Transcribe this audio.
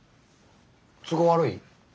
都合悪い？